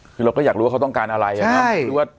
คือเราก็อยากรู้ว่าเขาต้องการอะไรนะครับ